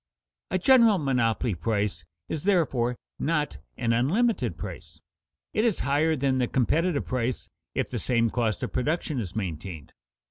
A general monopoly price is therefore not an unlimited price. It is higher than the competitive price if the same cost of production is maintained.